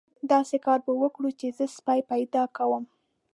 داسې کار به وکړو چې زه سپی پیدا کوم.